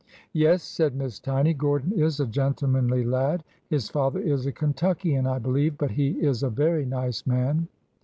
" Yes," said Miss Tiny. Gordon is a gentlemanly lad. His father is a Kentuckian, I believe, but he is a very nice man."